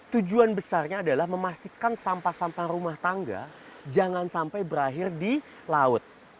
tujuan besarnya adalah memastikan sampah sampah rumah tangga jangan sampai berakhir di laut